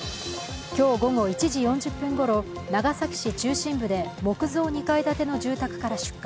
今日午後１時４０分ごろ長崎市中心部で木造２階建ての住宅から出火。